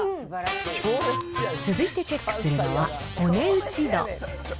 続いてチェックするのは、お値打ち度。